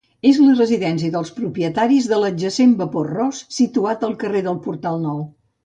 És la residència dels propietaris de l'adjacent Vapor Ros, situat al carrer del Portal Nou.